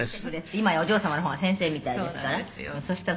「今やお嬢様の方が先生みたいですから」